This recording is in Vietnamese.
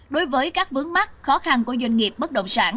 đối với các vướng mắc khó khăn của doanh nghiệp bất động sản